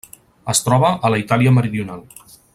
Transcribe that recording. Es troba a la Itàlia meridional.